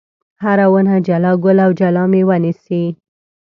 هره ونه جلا ګل او جلا مېوه نیسي.